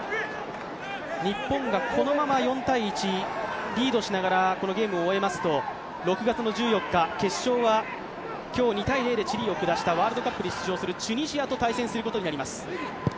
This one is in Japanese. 日本がこのまま４−１リードしながらこのゲームを終えますと、６月１４日決勝は決勝は今日２−０でチリを下したワールドカップへ出場するチュニジアと対戦することになります。